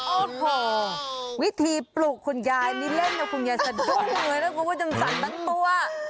โอ้โฮวิธีปลูกคุณยายนี่เล่นแล้วคุณยายสะดุมเลยแล้วก็จำสั่นตั้งตัว